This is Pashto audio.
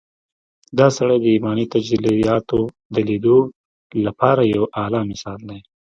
دا سړی د ايماني تجلياتود ليدو لپاره يو اعلی مثال دی.